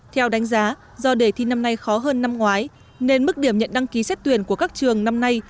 theo đánh giá do đề thi năm nay khó hơn năm ngoái nên mức điểm nhận đăng ký xét tuyển của các trường năm nay